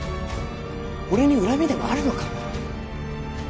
俺に恨みでもあるのか？